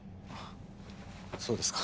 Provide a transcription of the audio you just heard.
そうですか。